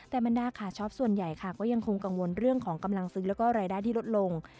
แต่บรรดาขาช็อปส่วนใหญ่ค่ะก็ยังคงกังวลเรื่องของกำลังซื้อแล้วก็รายได้ที่ลดลง